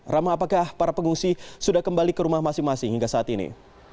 rama apakah para pengungsi sudah kembali ke rumah masing masing hingga saat ini